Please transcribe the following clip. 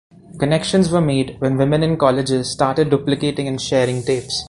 Connections were made when women in colleges started duplicating and sharing tapes.